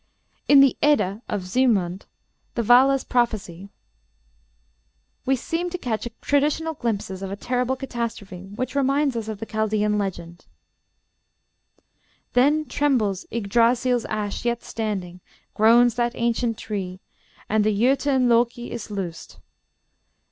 In the Edda of Soemund, "The Vala's Prophecy" (stz. 48 56, p. 9), we seem to catch traditional glimpses of a terrible catastrophe, which reminds us of the Chaldean legend: "Then trembles Yggdrasil's ash yet standing, groans that ancient tree, and the Jötun Loki is loosed.